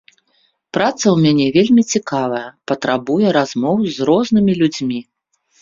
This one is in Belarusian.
Праца ў мяне вельмі цікавая, патрабуе размоў з рознымі людзьмі.